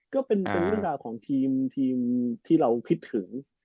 ก็เป็นเรื่องราวที่รู้ถึง